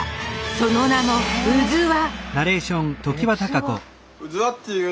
その名も「うずわ」